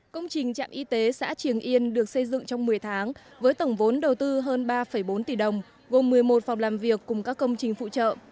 công trình trạm y tế xã triềng yên được xây dựng trong một mươi tháng với tổng vốn đầu tư hơn ba bốn tỷ đồng gồm một mươi một phòng làm việc cùng các công trình phụ trợ